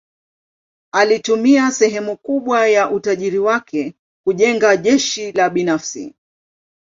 Alitumia sehemu kubwa ya utajiri wake kujenga jeshi la binafsi.